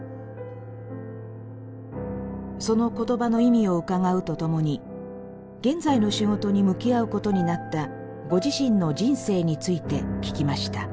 その言葉の意味を伺うとともに現在の仕事に向き合うことになったご自身の人生について聞きました。